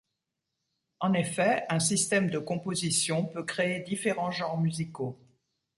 En effet, un système de composition peut créer différents genres musicaux.